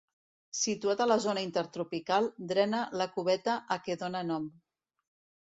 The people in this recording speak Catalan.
Situat a la zona intertropical, drena la cubeta a què dóna nom.